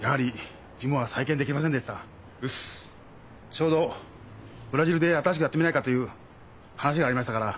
ちょうどブラジルで新しくやってみないかという話がありましたから